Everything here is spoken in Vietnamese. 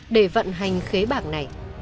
để vận hành khế bạc này